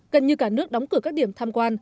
gần như cả nước đóng cửa các điểm tham quan